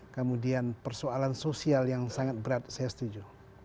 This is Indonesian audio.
kemudian persoalan sosial yang sangat berat saya setuju